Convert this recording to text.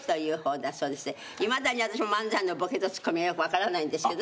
いまだに私も漫才のボケとツッコミがよくわからないんですけど。